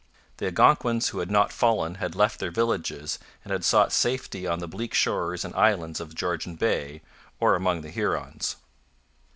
The Algonquins who had not fallen had left their villages and had sought safety on the bleak shores and islands of Georgian Bay, or among the Hurons.